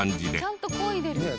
ちゃんとこいでる。